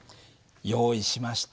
用意しました。